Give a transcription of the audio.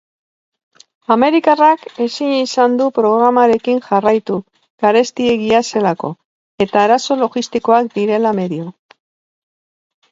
Amerikarrak ezin izan du programarekin jarraitu garestiegia zelako eta arazo logistikoak direla medio.